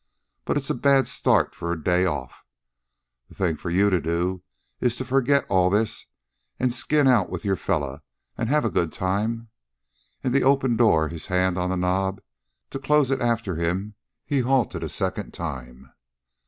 But it's a bad start for a day off. The thing for you to do is to forget all this, and skin out with your fellow, an' have a good time." In the open door, his hand on the knob to close it after him, he halted a second time.